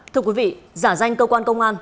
thưa quý vị giả danh cơ quan công an